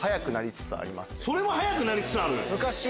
それも早くなりつつある？